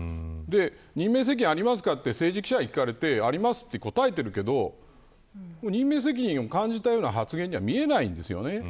任命責任ありますかと記者に聞かれてあります、と答えてるけど任命責任を感じたような発言には見えないんです。